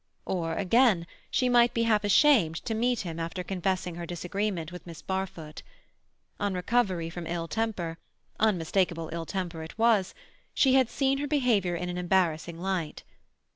Or again, she might be half ashamed to meet him after confessing her disagreement with Miss Barfoot; on recovery from ill temper (unmistakable ill temper it was), she had seen her behaviour in an embarrassing light.